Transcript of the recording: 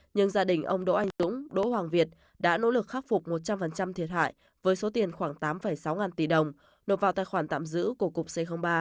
nhưng gia đình ông đỗ anh dũng đỗ hoàng việt đã nỗ lực khắc phục một trăm linh thiệt hại với số tiền khoảng tám sáu ngàn tỷ đồng nộp vào tài khoản tạm giữ của cục c ba